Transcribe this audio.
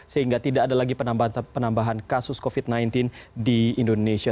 sehingga tidak ada lagi penambahan kasus covid sembilan belas di indonesia